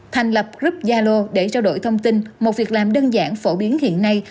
thành lập group yalo để trao đổi thông tin một việc làm đơn giản phổ biến hiện nay